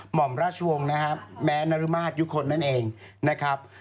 หมอมราชวงศ์นะครับแม้นรมาศยุคลนั่นเองนะครับ